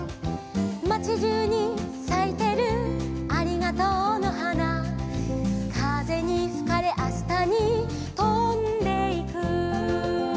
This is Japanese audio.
「まちじゅうにさいてるありがとうの花」「かぜにふかれあしたにとんでいく」